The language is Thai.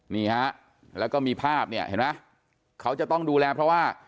นี่ฮะแล้วก็มีภาพเนี่ยเห็นไหมเขาจะต้องดูแลเพราะว่า